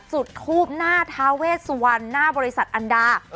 จุดทูบหน้าทาเวสวรรณหน้าบริษัทอันดา